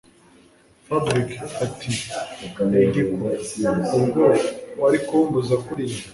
Fabric atiegiko ubwo warikumpuruza kuriya